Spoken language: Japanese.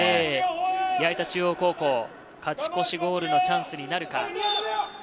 矢板中央高校、勝ち越しゴールのチャンスになるか。